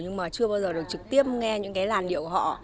nhưng mà chưa bao giờ được trực tiếp nghe những cái làn điệu họ